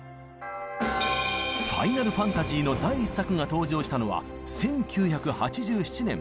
「ファイナルファンタジー」の第１作が登場したのは１９８７年。